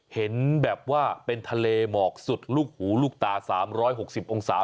เห็นแบบว่าเป็นทะเลหมอกสุดลูกหูลูกตา๓๖๐องศา